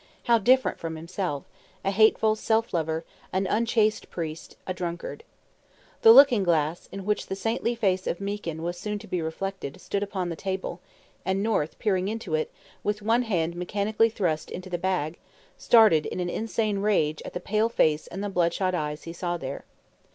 How different from himself a hateful self lover, an unchaste priest, a drunkard. The looking glass, in which the saintly face of Meekin was soon to be reflected, stood upon the table, and North, peering into it, with one hand mechanically thrust into the bag, started in insane rage at the pale face and bloodshot eyes he saw there.